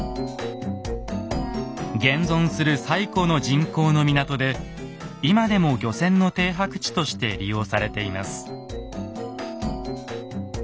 現存する最古の人工の港で今でも漁船の停泊地として利用されています。